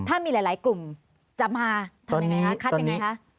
ถ้ามีหลายกลุ่มจะมาทำยังไงคะคัดยังไงคะ